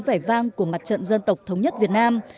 vẻ vang của mặt trận dân tộc thống nhất việt nam